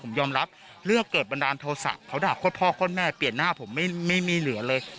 ผมยอมรับเรื่องเกิดบันดาลโทษศักดิ์เขาด่าพ่อแม่เปลี่ยนหน้าผมไม่มีเหลือเลย